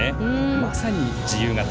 まさに自由形。